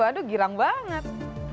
waduh girang banget